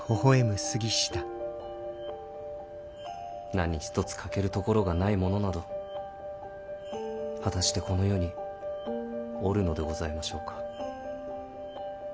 何一つ欠けるところがない者など果たしてこの世におるのでございましょうか？